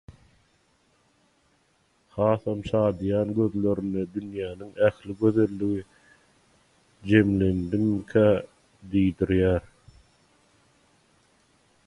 Hasam şadyýan gözlerinde dünýäniň ähli gözelligi jemlendimkä diýdirýär.